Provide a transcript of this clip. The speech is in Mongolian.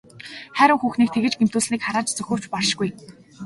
Хайран хүүхнийг тэгж гэмтүүлснийг харааж зүхэвч баршгүй.